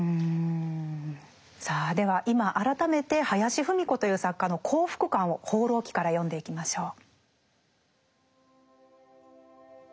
さあでは今改めて林芙美子という作家の幸福感を「放浪記」から読んでいきましょう。